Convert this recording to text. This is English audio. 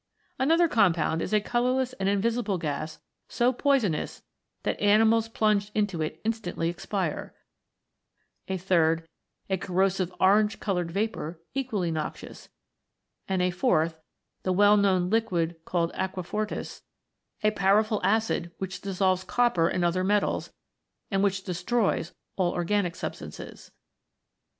Another compound is a colourless and invisible gas so poisonous that animals plunged into it in stantly expire ; a third, a corrosive orange coloured vapour, equally noxious ; and a fourth, the well known liquid called aqua fortis, a powerful acid which dissolves copper and other metals, and which destroys all organic substances.